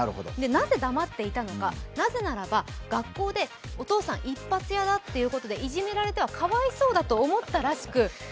なぜ黙っていたのか、なぜならば学校でお父さん、一発屋だということでいじめられたらかわいそうだと思ったらしく。